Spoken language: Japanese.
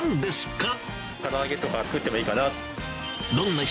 から揚げとか作ってもいいかな。